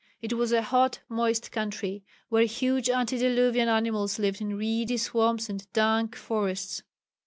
It was a hot, moist country, where huge antediluvian animals lived in reedy swamps and dank forests.